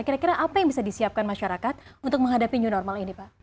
kira kira apa yang bisa disiapkan masyarakat untuk menghadapi new normal ini pak